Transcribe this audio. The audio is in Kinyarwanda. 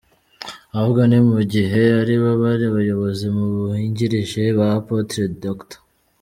Ahubwo ni mu gihe aribo bari abayobozi bungirije ba Apôtre Dr.